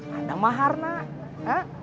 padahal mahar nak